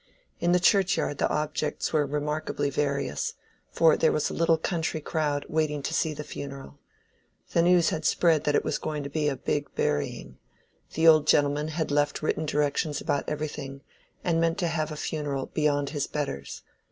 In the churchyard the objects were remarkably various, for there was a little country crowd waiting to see the funeral. The news had spread that it was to be a "big burying;" the old gentleman had left written directions about everything and meant to have a funeral "beyond his betters."